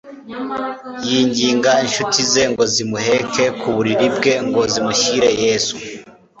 Yinginga inshuti ze ngo zimuheke ku buriri bwe ngo zimushyire Yesu,